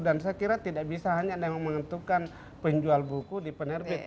dan saya kira tidak hanya hanya yang bisa menentukan penjual buku di penerbit